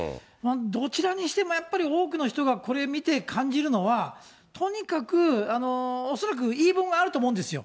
どちらにしてもやっぱり多くの人がこれ見て、感じるのは、とにかく恐らく言い分はあると思うんですよ。